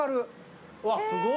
うわすごい。